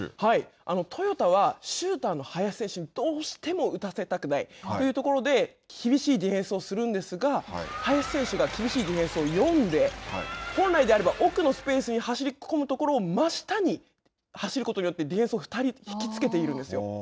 トヨタは、シューターの林選手にどうしても打たせたくないというところで厳しいディフェンスをするんですが林選手が厳しいディフェンスを読んで、本来であれば奥のスペースに走り込むところを真下に走ることによって、ディフェンスを２人、引き付けているんですよ。